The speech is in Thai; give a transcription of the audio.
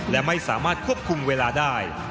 และไม่สามารถควบคุมเวลาได้